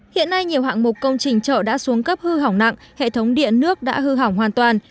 hiện nay nhiều hạng mục công trình chợ đã xuống cấp hư hỏng nặng hệ thống điện nước đã hư hỏng hoàn toàn